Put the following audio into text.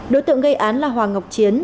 đối tượng gây án là hoàng ngọc chiến